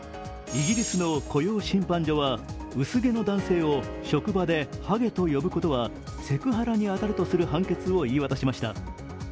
イギリスの雇用審判所は薄毛の男性を職場で「はげ」と呼ぶことはセクハラに当たるとする判決を言い渡しました。